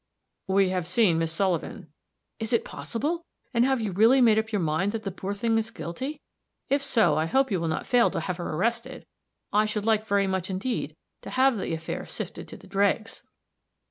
"We have seen Miss Sullivan." "Is it possible? And have you really made up your mind that the poor thing is guilty? If so, I hope you will not fail to have her arrested. I should like, very much indeed, to have the affair sifted to the dregs."